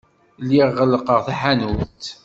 Lliɣ ɣellqeɣ taḥanut.